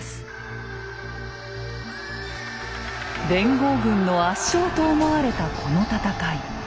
連合軍の圧勝と思われたこの戦い。